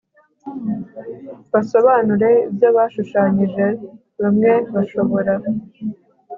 basobanure ibyo bashushanyije bamwe bashobora